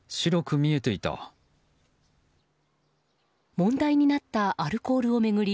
問題になったアルコールを巡り